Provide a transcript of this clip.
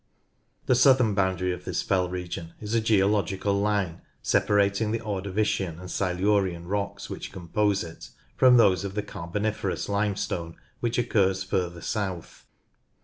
The southern boundary of this fell region is a geological line separating the Ordovician and Silurian rocks which compose it from those of the Carboniferous Limestone which occurs further south.